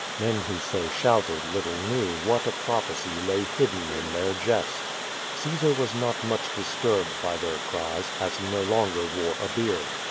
Men who so shouted little knew what a prophecy lay hidden in their jest. Caesar was not much disturbed by their cries, as he no longer wore a beard.